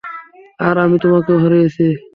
আর আমি তোমাকেও হারিয়েছি।